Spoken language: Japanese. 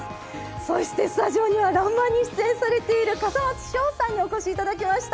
そしてスタジオには「らんまん」に出演されている笠松将さんにお越しいただきました。